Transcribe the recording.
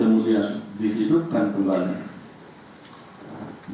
kemudian dihidupkan kembali